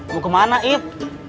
mau kemana ib